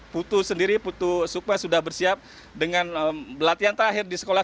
putu sendiri putu sukma sudah bersiap dengan pelatihan terakhir di sekolah